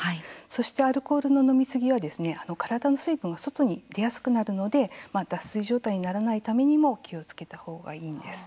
そしてアルコールの飲みすぎは体の水分が外に出やすくなるので脱水状態にならないためにも気をつけたほうがいいんです。